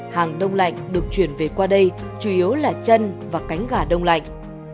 hàng đông lạnh được chuyển về qua đây chủ yếu là chân và cánh gà đông lạnh